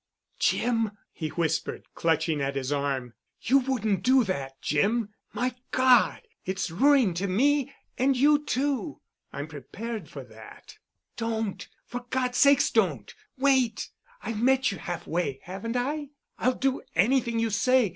"Jim!" he whispered, clutching at his arm. "You wouldn't do that, Jim. My God! It's ruin to me—and you too." "I'm prepared for that——" "Don't, for God's sake don't! Wait. I've met you half way, haven't I? I'll do anything you say.